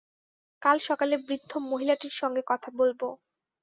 কাল সকালে বৃদ্ধ মহিলাটির সঙ্গে কথা বলব।